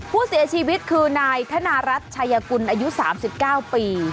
ผู้เสียชีวิตคือนายธนารัฐชายกุลอายุ๓๙ปี